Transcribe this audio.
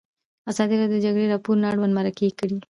ازادي راډیو د د جګړې راپورونه اړوند مرکې کړي.